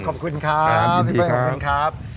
ขอบคุณครับพี่เบิ้ขอบคุณครับ